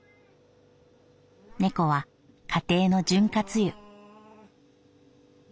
猫は家庭の潤滑油」。